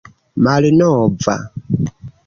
malnova